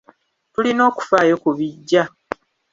Tulina okufaayo ku bijja.